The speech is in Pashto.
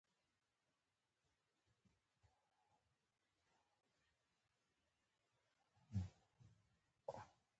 موږ د هغه په ذهن کې لېوالتیا وکرله.